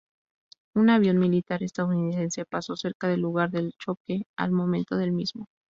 Un avión militar estadounidense pasó cerca del lugar del choque al momento del mismo.